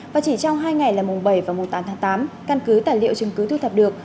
và chỉ trong hai ngày là mùng bảy và mùng tám tháng tám căn cứ tài liệu chứng cứ thu thập được